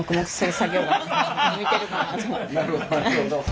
なるほど。